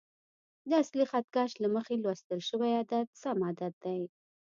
د اصلي خط کش له مخې لوستل شوی عدد سم عدد دی.